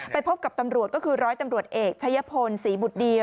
พบกับตำรวจก็คือร้อยตำรวจเอกชายพลศรีบุตรดี